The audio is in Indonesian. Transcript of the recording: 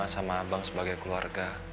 sama abang sebagai keluarga